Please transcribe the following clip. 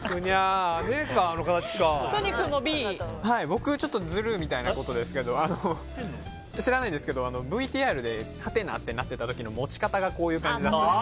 僕、ズルみたいなことですけど知らないんですけどＶＴＲではてなってなってた時の持ち方がこういう感じで。